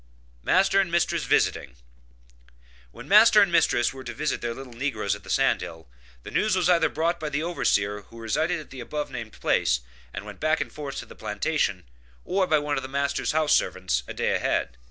MASTER AND MISTRESS VISITING. When master and mistress were to visit their little negroes at the sand hill, the news was either brought by the overseer who resided at the above named place, and went back and forth to the plantation, or by one of master's house servants, a day ahead.